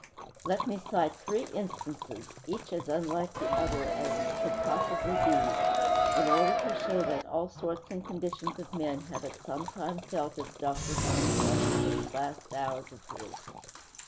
Let me cite three instances each as unlike the others as it could possibly be in order to show that all sorts and conditions of men have at some time felt as Dr. Blund felt in those last hours of his.